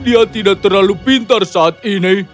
dia tidak terlalu pintar saat ini